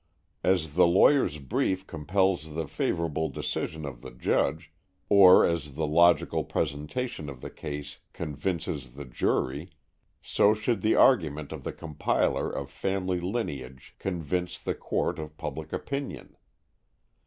As the lawyer's brief compels the favorable decision of the judge, or as the logical presentation of the case convinces the jury, so should the argument of the compiler of family lineage convince the court of public opinion.